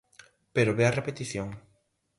Pero ve a repetición.